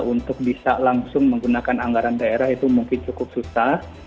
untuk bisa langsung menggunakan anggaran daerah itu mungkin cukup susah